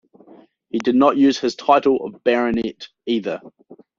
He did not use his title of baronet either.